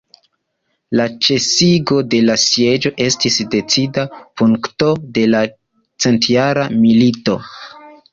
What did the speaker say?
La ĉesigo de la sieĝo estis decida punkto de la centjara milito.